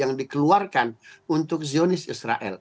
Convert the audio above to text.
yang dikeluarkan untuk zionis israel